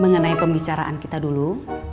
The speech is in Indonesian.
mengenai pembicaraan kita dulu